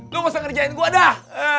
lu gak usah ngerjain gua dah